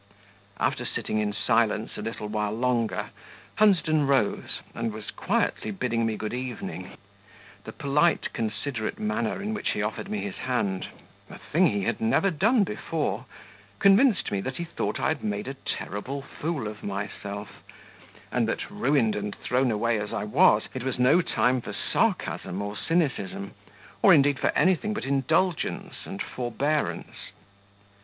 After sitting in silence a little while longer, Hunsden rose, and was quietly bidding me good evening; the polite, considerate manner in which he offered me his hand (a thing he had never done before), convinced me that he thought I had made a terrible fool of myself; and that, ruined and thrown away as I was, it was no time for sarcasm or cynicism, or indeed for anything but indulgence and forbearance.